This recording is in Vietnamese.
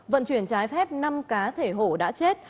vận chuyển trái phép năm cá thể hổ đã chết